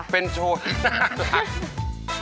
เป็นโชว์น่ารัก